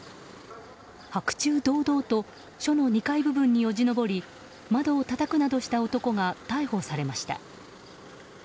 白昼堂々と署の２階部分によじ登り窓をたたくなどした男が逮捕されました。